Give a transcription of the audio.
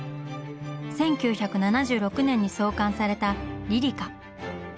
１９７６年に創刊された「リリカ」。